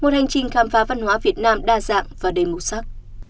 một hành trình khám phá văn hóa việt nam đa dạng và đầy màu sắc